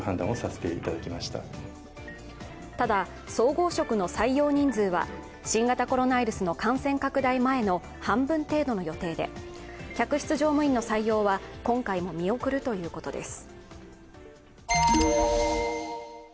ただ、総合職の採用人数は新型コロウイルスの感染拡大前の半分程度の予定で、客室乗務員の採用は今回も見送るということです。